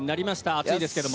暑いですけれども。